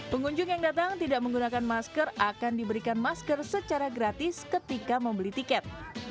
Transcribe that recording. pengunjung yang datang tidak menggunakan masker akan diberikan masker secara gratis ketika membeli tiket